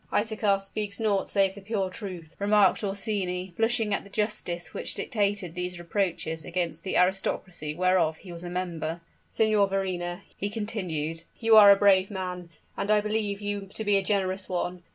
"Isaachar speaks naught save the pure truth," remarked Orsini, blushing at the justice which dictated these reproaches against the aristocracy whereof he was a member. "Signor Verrina," he continued, "you are a brave man and I believe you to be a generous one.